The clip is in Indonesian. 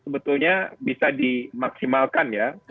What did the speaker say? bisa dimaksimalkan ya